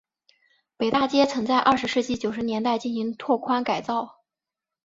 北大街曾在二十世纪九十年代进行了拓宽改造。